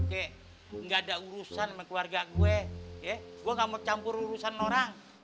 kayak nggak ada urusan sama keluarga gue gue gak mau campur urusan orang